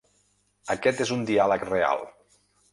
Aquest és un diàleg real.